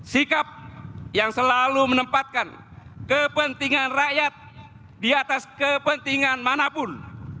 sikap yang selalu menempatkan kepentingan rakyat di atas kepentingan manapun